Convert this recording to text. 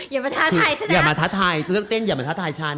อย่ามาท้าทายฉันอย่ามาท้าทายตื่นเต้นอย่ามาท้าทายฉัน